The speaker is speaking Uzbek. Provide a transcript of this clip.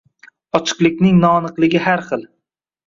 Ochiqlikning noaniqligi Har xil